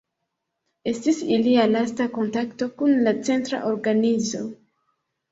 Estis ilia lasta kontakto kun la Centra Organizo.